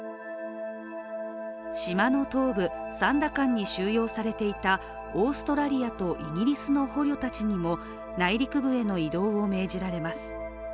島の東部、サンダカンに収容されていたオーストラリアとイギリスの捕虜たちにも内陸部への移動を命じられます。